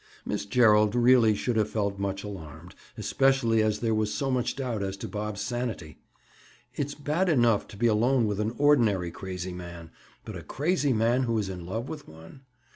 Miss Gerald really should have felt much alarmed, especially as there was so much doubt as to Bob's sanity. It's bad enough to be alone with an ordinary crazy man, but a crazy man who is in love with one?